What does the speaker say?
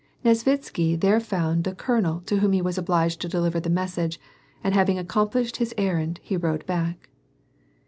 Nesvitsky there found the coloael to whom he was obliged to deliver the mes sage, and having accomplished his errand he rode back.